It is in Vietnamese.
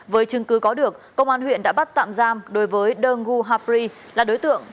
với chứng cứ có được công an huyện đã bắt tạm giam đối với đơng gu hapri là đối tượng